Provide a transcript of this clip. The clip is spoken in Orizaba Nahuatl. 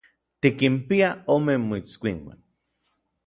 Tikinpia ome moitskuinuan.